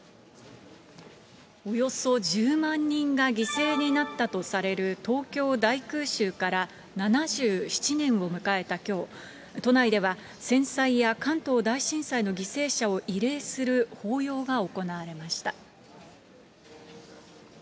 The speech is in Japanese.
およそ１０万人が犠牲になったとされる東京大空襲から７７年を迎えたきょう、都内では、戦災や関東大震災の犠牲者を慰霊する法要が行われました。